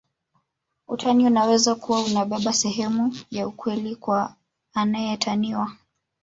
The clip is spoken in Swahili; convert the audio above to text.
Utani unaweza kuwa unabeba sehemu ya ukweli kwa anaetaniwa